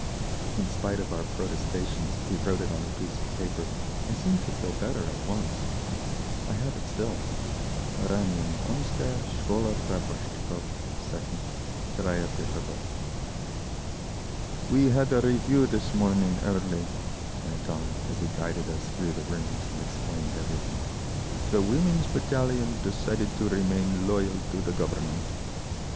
In spite of our protestations he wrote it on a piece of paper, and seemed to feel better at once. I have it still—"Oranien baumskaya Shkola Praporshtchikov 2nd, Staraya Peterhof." "We had a review this morning early," he went on, as he guided us through the rooms and explained everything. "The Women's Battalion decided to remain loyal to the Government."